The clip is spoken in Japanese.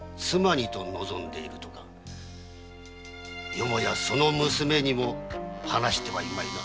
よもやその娘にも話してはいまいな？